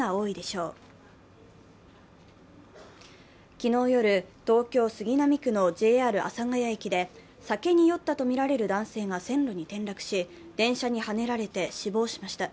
昨日夜、東京・杉並区のＪＲ阿佐ケ谷駅で酒に酔ったとみられる男性が線路に転落し電車にはねられて死亡しました。